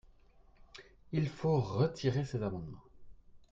Il faut retirer ces amendements.